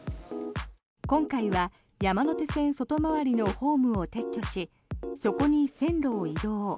今回は山手線外回りのホームを撤去しそこに線路を移動。